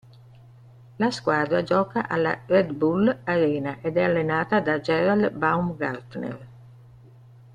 La squadra gioca alla Red Bull Arena ed è allenata da Gerald Baumgartner.